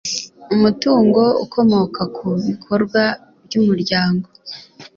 Umutungo ukomoka ku bikorwa by’umuryango